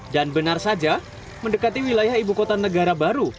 dan benar saja mendekati wilayah ibu kota negara baru